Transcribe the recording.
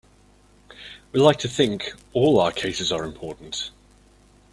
We like to think all our cases are important.